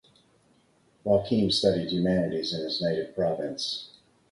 Joaquim studied humanities in his native province.